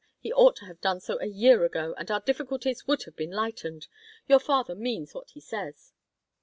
He ought to have done so a year ago, and our difficulties would have been lightened. Your father means what he says."